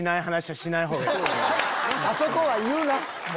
あそこは言うな！